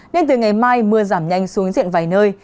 nên từ ngày mai mưa giảm nhanh xuống diện vài nơi